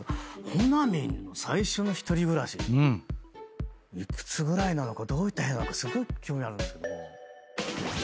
ほなみんの最初の１人暮らし幾つぐらいなのかどういった部屋なのかすごい興味ある。